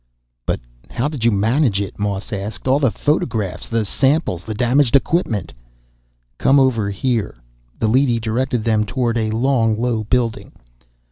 "But how did you manage it?" Moss asked. "All the photographs, the samples, the damaged equipment " "Come over here." The leady directed them toward a long, low building.